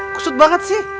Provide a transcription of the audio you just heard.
kusut banget sih